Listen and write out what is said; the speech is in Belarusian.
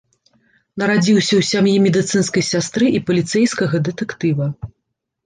Нарадзіўся ў сям'і медыцынскай сястры і паліцэйскага дэтэктыва.